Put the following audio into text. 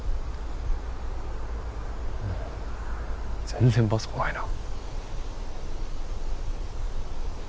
全然バス来ないな。